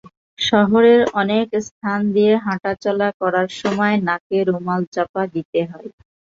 শহরের অনেক স্থান দিয়ে হাঁটাচলা করার সময় নাকে রুমাল চাপা দিতে হয়।